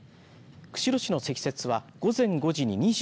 釧路市の積雪は午前５時に